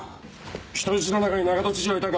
人質の中に長門知事はいたか？